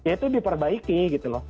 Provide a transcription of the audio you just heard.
itu diperbaiki gitu loh